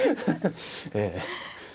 ええ。